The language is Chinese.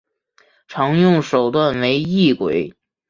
常用手段为异轨。